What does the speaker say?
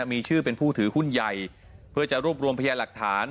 มีชื่อเป็นผู้ถือหุ้นใหญ่เพื่อจะรวบรวมพยาหลักฐาน